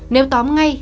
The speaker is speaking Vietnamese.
nếu tóm ngay